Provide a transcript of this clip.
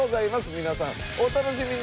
皆さんお楽しみに。